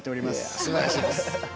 すばらしいです。